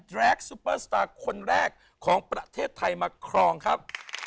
แรคซุปเปอร์สตาร์คนแรกของประเทศไทยมาครองครับ